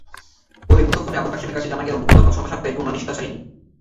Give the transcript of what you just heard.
পরে মুঠোফোনে আবুল কাশেমের কাছে জানা গেল, গতকাল সন্ধ্যা সাতটায়ও তূর্ণা নিশীথা ছাড়েনি।